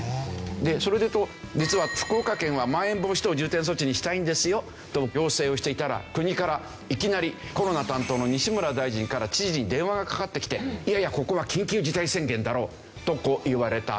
でそれで言うと実は福岡県はまん延防止等重点措置にしたいんですよと要請をしていたら国からいきなりコロナ担当の西村大臣から知事に電話がかかってきていやいやここは緊急事態宣言だろうと言われた。